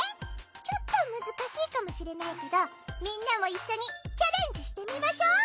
ちょっと難しいかもしれないけどみんなもいっしょにチャレンジしてみましょう！